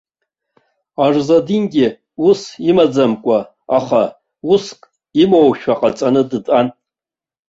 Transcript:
Арзадингьы ус имаӡамкәа, аха уск имоушәа ҟаҵаны дтәан.